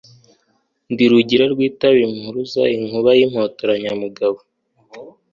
Ndi Rugina rwitaba impuruza, inkuba y'impotoranyamugabo